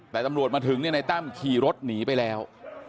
แต่ตำรวจมาถึงในตั้มขี่รถหนีไปแล้ว